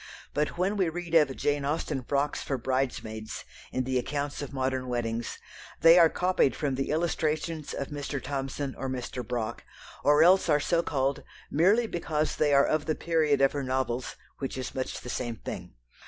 But when we read of "Jane Austen frocks" for bridesmaids in the accounts of modern weddings, they are copied from the illustrations of Mr. Thomson or Mr. Brock, or else are so called merely because they are of the period of her novels, which is much the same thing.